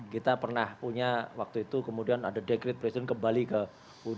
kita pernah punya waktu itu kemudian ada dekret presiden kembali ke u dua puluh